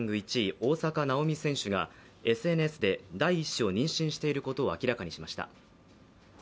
大坂なおみ選手がＳＮＳで第１子を妊娠していることを明らかにしました。